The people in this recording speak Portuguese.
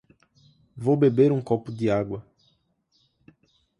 Vou beber um copo de água.